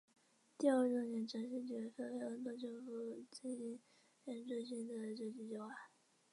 第二个重点则是即刻分配更多政府资金援助新的社会计画。